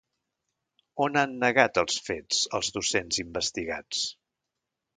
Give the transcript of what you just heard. On han negat els fets els docents investigats?